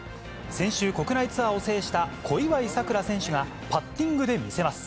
先週、国内ツアーを制した小祝さくら選手が、パッティングで見せます。